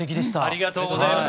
ありがとうございます。